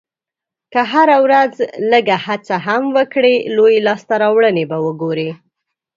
که هره ورځ لږه هڅه هم وکړې، لویې لاسته راوړنې به وګورې.